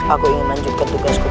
aku ingin lanjutkan tugasku